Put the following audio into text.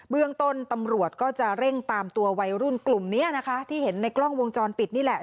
เรื่องต้นตำรวจก็จะเร่งตามตัววัยรุ่นกลุ่มนี้นะคะที่เห็นในกล้องวงจรปิดนี่แหละ